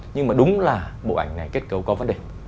nhưng mà đúng là bộ ảnh này kết cấu có vấn đề